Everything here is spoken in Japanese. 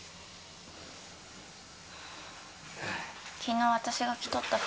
昨日私が着とった服